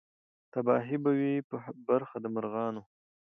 تباهي به وي په برخه د مرغانو